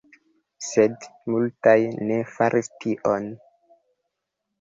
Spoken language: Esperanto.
Sed multaj ne faris tion.